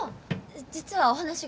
実はお話が。